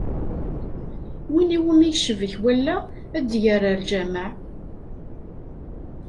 Win umi yecbek wallaɣ, ad yerr ar lǧameɛ.